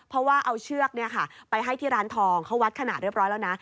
เพราะว่าเอาเชือกไปให้ที่ร้านทองเขาวัดขนาดเรียบร้อยแล้วนะ